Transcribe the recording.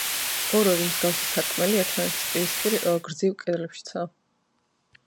ორ-ორი მსგავსი სარკმელი, ერთმანეთის პირდაპირ გრძივ კედლებშიცაა.